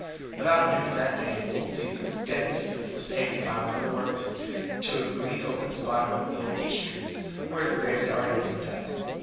About noon that day old Caesar, dead and stiff, was taken by one of the workmen to a green open spot among the old peach trees, where his grave had already been dug.